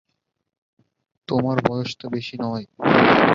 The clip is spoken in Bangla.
তোমার বয়স তো বেশি নয়।